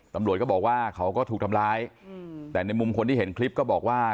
ตำรวจก็บอกว่าเขาก็ถูกทำร้ายแต่ในมุมคนที่เห็นคลิปก็บอกว่า